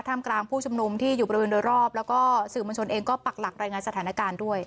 มกลางผู้ชุมนุมที่อยู่บริเวณโดยรอบแล้วก็สื่อมวลชนเองก็ปักหลักรายงานสถานการณ์ด้วย